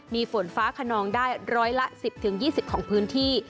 มีฝนฟ้าขนองได้ร้อยละ๑๐๒๐ของพื้นที่